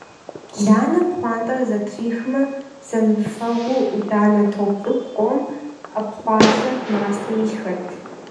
Ланэ пхъуантэр зэтрихмэ – зэмыфэгъуу Ӏуданэ топ цӀыкӀу къом, Ӏэпхъуалъэ, мастэ илъхэт.